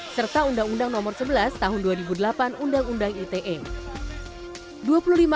serta undang undang nomor sebelas tahun dua ribu delapan undang undang item